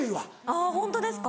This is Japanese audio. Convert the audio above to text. あぁホントですか？